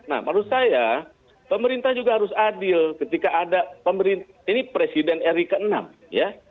nah menurut saya pemerintah juga harus adil ketika ada pemerintah ini presiden ri ke enam ya